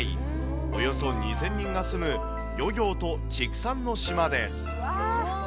およそ２０００人が住む漁業と畜産の島です。